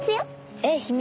ええ秘密。